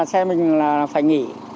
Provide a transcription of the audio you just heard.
xe mình là phải nghỉ